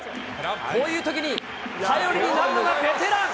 こういうときに頼りになるのがベテラン。